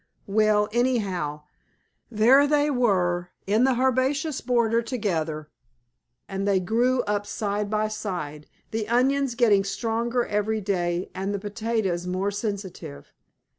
Well, anyhow, there they were, in the Herbaceous Border together, and they grew up side by side; the onions getting stronger every day, and the potatoes more sensitive.